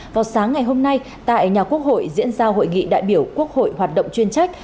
vào sáng ngày hôm nay tại nhà quốc hội diễn ra hội nghị đại biểu quốc hội hoạt động chuyên trách